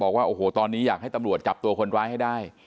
บอกว่าโอ้โหตอนนี้อยากให้ตำรวจจับตัวคนร้ายให้ได้